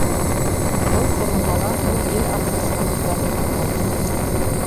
Был ҡоролмала һыу ер аҫты сығанаҡтарынан алына.